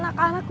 ya udah bela